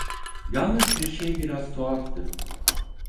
Yalnız bir şey biraz tuhaftı.